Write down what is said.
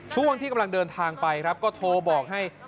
ช่วงที่กำลังเดินทางไปครับก็โทรบอกให้